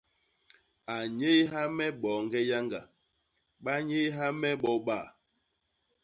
A nnyéyha me boñge yañga; ba nnyéyha me bo ba.